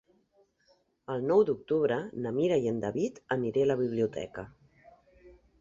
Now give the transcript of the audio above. El nou d'octubre na Mira i en David aniré a la biblioteca.